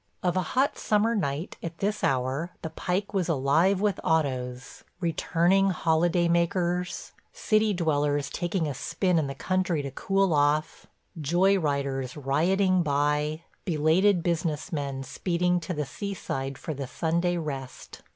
Of a hot summer night at this hour the pike was alive with autos; returning holiday makers, city dwellers taking a spin in the country to cool off, joy riders rioting by, belated business men speeding to the sea side for the Sunday rest.